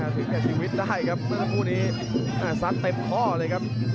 สิ่งที่จะชีวิตได้ครับนัทธาวุธนี้สัดเต็มข้อเลยครับ